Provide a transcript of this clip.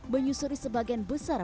menyusuri sebagian besar